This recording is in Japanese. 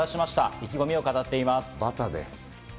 意気込みを語っています。